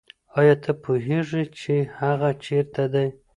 آیا ته پوهېږې چې هغه چېرته دی؟